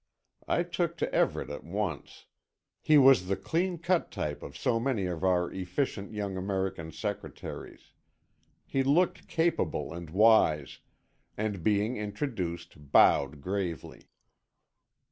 I took to Everett at once. He was the clean cut type of so many of our efficient young American secretaries. He looked capable and wise, and being introduced, bowed gravely.